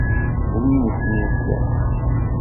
Bninet nezzeh!